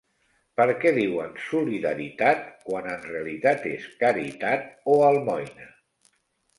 Per què diuen "solidaritat" quan en realitat és "caritat" o "almoina"?